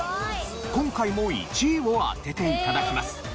今回も１位を当てて頂きます。